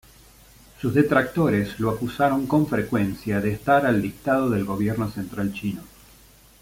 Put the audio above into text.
Sus detractores lo acusaron con frecuencia de estar al dictado del Gobierno central chino.